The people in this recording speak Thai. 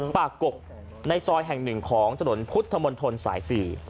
ปากกกในซอยแห่งหนึ่งของถนนพุทธมนตรสาย๔